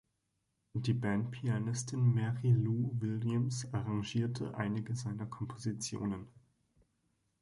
Die Band-Pianistin Mary Lou Williams arrangierte einige seiner Kompositionen.